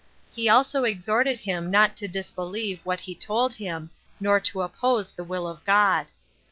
He also exhorted him not to disbelieve what he told him, nor to oppose the will of God.